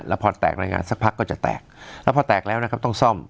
แล้วพอแตกรายงานสักพักก็จะแตกแล้วพอแตกแล้วนะครับต้องซ่อม